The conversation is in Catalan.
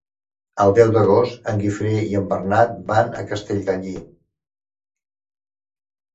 El deu d'agost en Guifré i en Bernat van a Castellgalí.